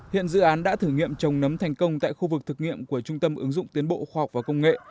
hiện dự án đã thử nghiệm trồng nấm thành công tại khu vực thực nghiệm của trung tâm ứng dụng tiến bộ khoa học và công nghệ